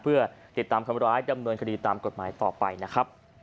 เพื่อติดตามคำร้ายดำเนินคดีตามกฎหมายต่อไปนะครับ